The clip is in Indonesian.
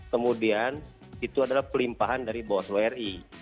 kemudian itu adalah pelimpahan dari bawaslu ri